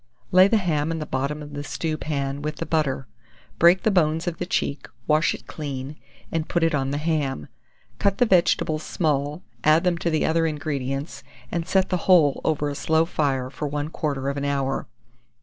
Lay the ham in the bottom of the stewpan, with the butter; break the bones of the cheek, wash it clean, and put it on the ham. Cut the vegetables small, add them to the other ingredients, and set the whole over a slow fire for 1/4 of an hour.